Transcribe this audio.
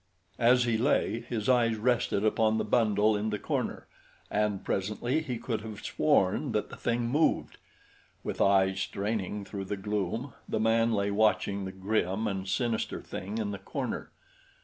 As he lay, his eyes rested upon the bundle in the corner, and presently he could have sworn that the thing moved. With eyes straining through the gloom the man lay watching the grim and sinister thing in the corner.